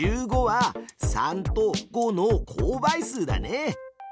１５は３と５の公倍数だね！